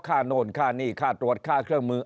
ข้านอนข้านี่ข้าตรวจข้าเครื่องมือ